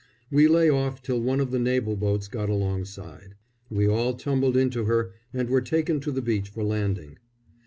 We lay off till one of the naval boats got alongside. We all tumbled into her and were taken to the beach for landing.